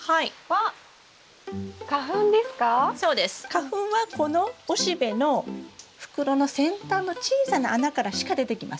花粉はこの雄しべの袋の先端の小さな穴からしか出てきません。